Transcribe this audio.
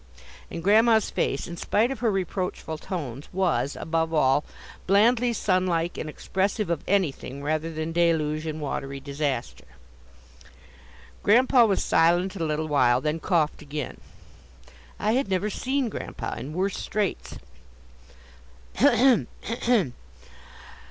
And Grandma's face, in spite of her reproachful tones, was, above all, blandly sunlike and expressive of anything rather than deluge and watery disaster. Grandpa was silent a little while, then coughed again. I had never seen Grandpa in worse straits. "A hem! a hem!